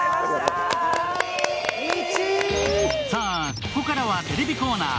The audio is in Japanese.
ここからはテレビコーナー。